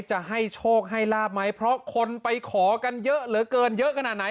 จะให้โชคให้ลาบไหมเพราะคนไปขอกันเยอะเหลือเกินเยอะขนาดไหน